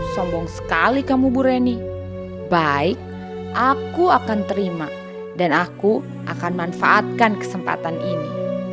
sombong sekali kamu bu reni baik aku akan terima dan aku akan manfaatkan kesempatan ini